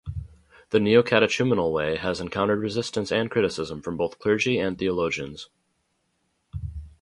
The Neocatechumenal Way has encountered resistance and criticism from both clergy and theologians.